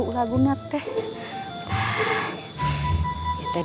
aku akan menangkan gusti ratu